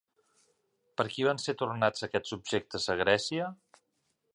Per qui van ser tornats aquests objectes a Grècia?